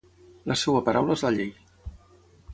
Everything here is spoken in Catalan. La seva paraula és la llei.